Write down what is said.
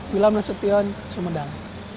wilhamna sution sumedang